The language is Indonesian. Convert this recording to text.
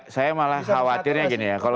saya malah khawatirnya gini ya